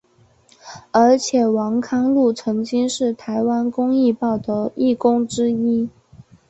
而且王康陆曾经是台湾公论报的义工之一。